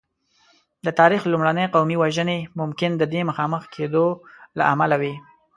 د تاریخ لومړنۍ قومي وژنې ممکن د دې مخامخ کېدو له امله وې.